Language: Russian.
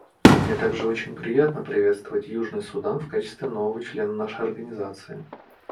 Мне также очень приятно приветствовать Южный Судан в качестве нового члена нашей Организации.